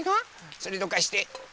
それどかして。